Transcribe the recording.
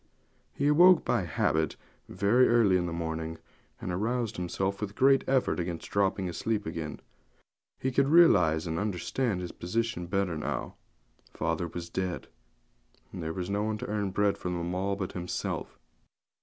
He awoke by habit very early in the morning, and aroused himself with a great effort against dropping asleep again. He could realize and understand his position better now. Father was dead; and there was no one to earn bread for them all but himself.